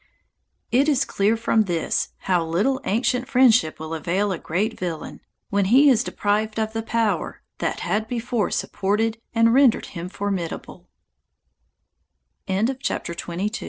It is clear from this how little ancient friendship will avail a great villain, when he is deprived of the power that had before supported and rendered hi